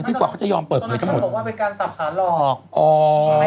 พี่บอกเขาจะยอมเปิดคนจะหมดตอนนั้นเขาบอกว่าเป็นการสับขาหลอก